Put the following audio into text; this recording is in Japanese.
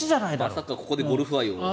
まさかここでゴルフ愛を。